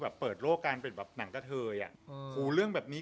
เปิดโลกการเป็นแบบหนังกะเทยอ่ะโหเรื่องแบบนี้